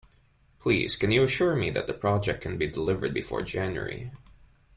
Please can you assure me that the project can be delivered before January?